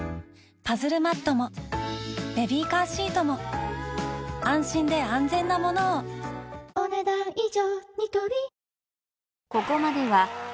パズルマットもベビーカーシートも安心で安全なものをお、ねだん以上。